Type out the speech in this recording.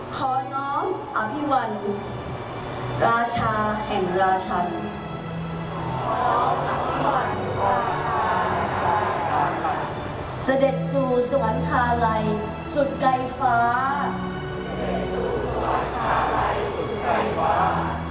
ขอน้องอภิวรรณราชาเห็นราชัน